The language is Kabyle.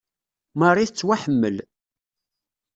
Marie tettwaḥemmel.